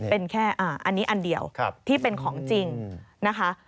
เป็นแค่อันนี้อันเดียวที่เป็นของจริงนะคะ